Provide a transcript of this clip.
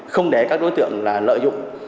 không để các đối tượng lợi dụng